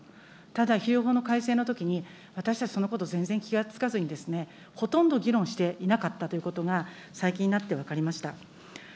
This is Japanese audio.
ただ肥料法の改正のときに、私たちそんなこと全然気がつかずに、ほとんど議論していなかったということが、最近になって分かりました。